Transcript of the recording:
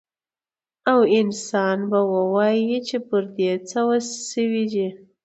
او انسان به ووايي چې پر دې څه شوي دي؟